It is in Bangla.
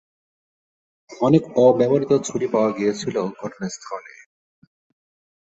অনেক অব্যবহৃত ছুরি পাওয়া গিয়েছিল ঘটনাস্থলে।